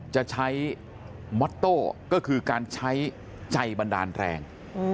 จะใช้มอโต้ก็คือการใช้ใจบันดาลแรง